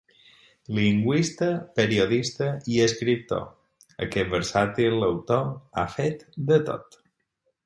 Lingüista, periodista i escriptor, aquest versàtil autor ha fet de tot.